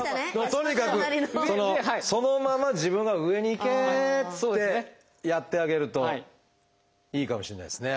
とにかくそのまま自分が上に行けってやってあげるといいかもしれないですね。